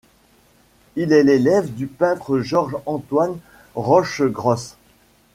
Il est l’élève du peintre Georges-Antoine Rochegrosse.